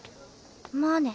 まあね。